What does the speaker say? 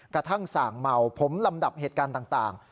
กระทั่งส่างเมาผมลำดับเหตุการณ์ต่าง